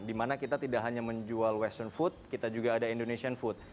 di mana kita tidak hanya menjual western food kita juga ada indonesian food